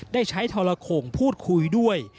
ได้ใช้ทรโข่งพูดคุยด้วย